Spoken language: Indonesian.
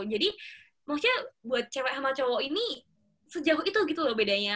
maksudnya buat cewek sama cowok ini sejauh itu gitu loh bedanya